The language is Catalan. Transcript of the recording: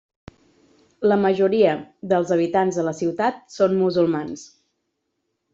La majoria dels habitants de la ciutat són musulmans.